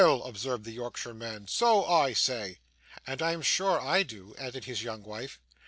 observed the Yorkshireman, 'so I say.' 'And I am sure I do,' added his young wife.